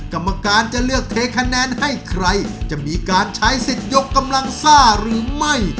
กรรมการจะเลือกเทคะแนนให้ใครจะมีการใช้สิทธิ์ยกกำลังซ่าหรือไม่